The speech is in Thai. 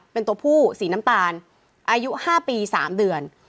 เป็นตัวผู้สีน้ำตาลอายุ๕ปี๓เดือน